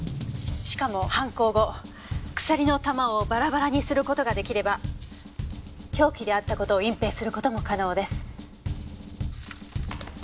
しかも犯行後鎖の球をバラバラにする事が出来れば凶器であった事を隠蔽する事も可能です。